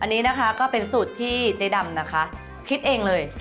น้ำตาลไหมน้ำตาล